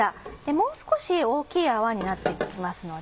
もう少し大きい泡になって来ますので。